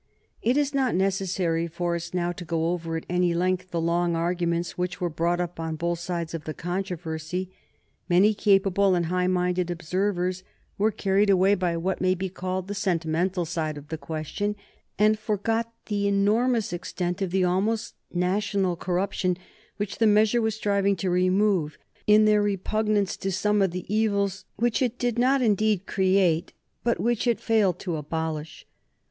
It is not necessary for us now to go over at any length the long arguments which were brought up on both sides of the controversy. Many capable and high minded observers were carried away by what may be called the sentimental side of the question, and forgot the enormous extent of the almost national corruption which the measure was striving to remove, in their repugnance to some of the evils which it did not indeed create, but which it failed to abolish.